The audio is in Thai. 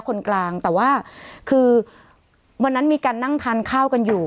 คนกลางแต่ว่าคือวันนั้นมีการนั่งทานข้าวกันอยู่